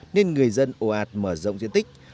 nên người dân ồ ạt mở rộng diện tích